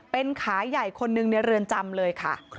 เป็นขาใหญ่คนหนึ่งในเรือนจำเลยค่ะ